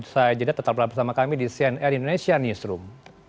saya jeda tetap bersama kami di cnn indonesia newsroom